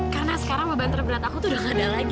karena sekarang beban terberat aku tuh udah gak ada lagi